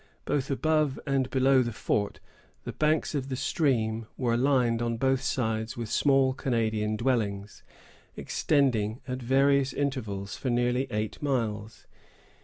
Both above and below the fort, the banks of the stream were lined on both sides with small Canadian dwellings, extending at various intervals for nearly eight miles.